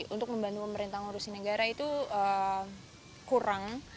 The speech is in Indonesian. untuk membantu pemerintah ngurusi negara itu kurang